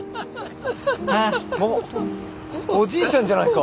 あっおじいちゃんじゃないか。